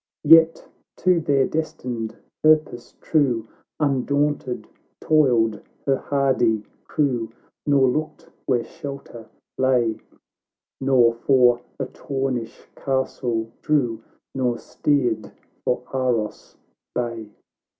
Yet, to their destined purpose true, Undaunted toiled her hardy crew, Nor looked where shelter lay, Nor for Artornish Castle drew, Nor steered for Aros bay.